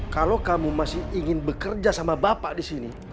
kalau kamu masih ingin bekerja sama bapak disini